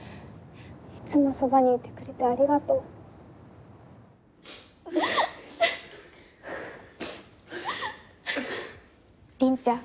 いつもそばにいてくれてありがとう凛ちゃん。